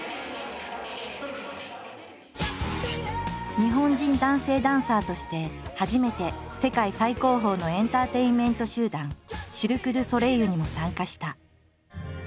日本人男性ダンサーとして初めて世界最高峰のエンターテインメント集団シルク・ドゥ・ソレイユにも参加した。